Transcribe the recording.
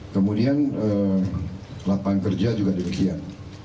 kemudian lapangan kerja juga demikian